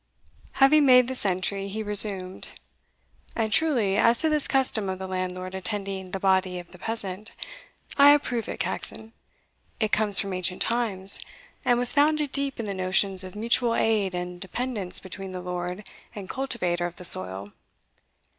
Having made this entry, he resumed "And truly, as to this custom of the landlord attending the body of the peasant, I approve it, Caxon. It comes from ancient times, and was founded deep in the notions of mutual aid and dependence between the lord and cultivator of the soil.